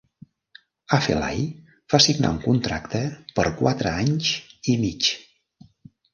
Afellay va signar un contracte per quatre anys i mig.